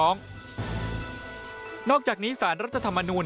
นอกจากนี้สารรัฐธรรมนูล